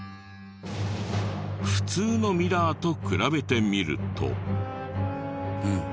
普通のミラーと比べてみると。